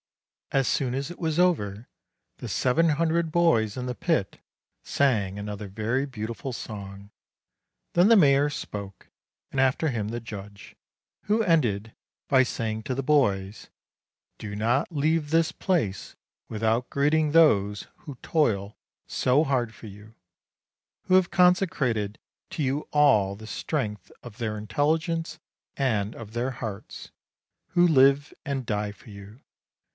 As soon as it was over, the seven hundred boys in the pit sang another very beautiful song; then the mayor spoke, and after him the judge, who ended by saying to the boys : "Do not leave this place without greeting those who toil so hard for you; who have consecrated to you all the strength of their intelligence and of their hearts; who live and die for you.